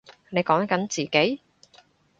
你講緊自己？